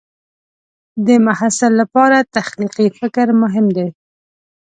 د محصل لپاره تخلیقي فکر مهم دی.